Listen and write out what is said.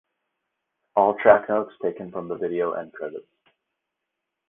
All track notes taken from the video end credits.